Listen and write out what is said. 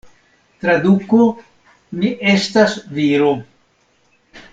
Traduko: Mi estas viro.